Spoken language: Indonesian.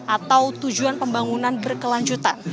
atau tujuan pembangunan berkelanjutan